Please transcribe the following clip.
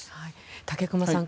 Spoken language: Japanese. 武隈さん